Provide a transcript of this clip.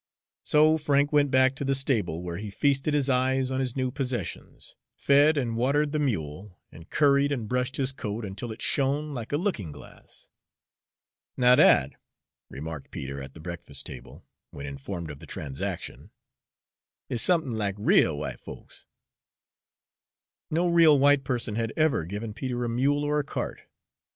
So Frank went back to the stable, where he feasted his eyes on his new possessions, fed and watered the mule, and curried and brushed his coat until it shone like a looking glass. "Now dat," remarked Peter, at the breakfast table, when informed of the transaction, "is somethin' lack rale w'ite folks." No real white person had ever given Peter a mule or a cart.